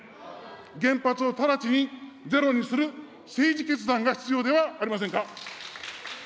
原発を直ちにゼロにする政治決断が必要ではありませんか。